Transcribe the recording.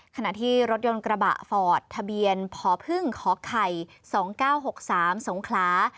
ขณะที่รถยนต์กระบะฟอร์ดทะเบียนพพไข่๒๙๖๓สงขลา